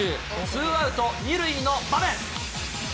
ツーアウト２塁の場面。